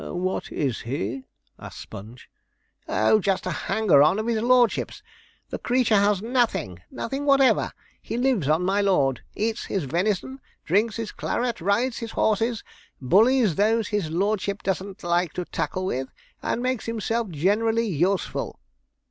'What is he?' asked Sponge. 'Oh, just a hanger on of his lordship's; the creature has nothing nothing whatever; he lives on my lord eats his venison, drinks his claret, rides his horses, bullies those his lordship doesn't like to tackle with, and makes himself generally useful.'